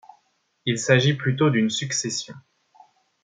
Il s'agit plutôt d'une succession.